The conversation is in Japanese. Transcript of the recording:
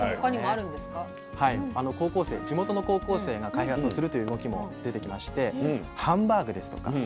地元の高校生が開発をするという動きも出てきましてハンバーグですとか